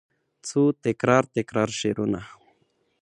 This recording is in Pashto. څو تکرار، تکرار شعرونه